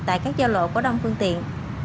tại các giao lộ có đông phương tiện